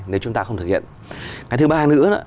nếu chúng ta không thực hiện cái thứ ba nữa